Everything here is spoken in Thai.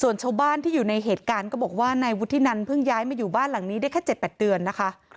ส่วนชาวบ้านที่อยู่ในเหตุการณ์ก็บอกว่านายวุฒินันเพิ่งย้ายมาอยู่บ้านหลังนี้ได้แค่๗๘เดือนนะคะ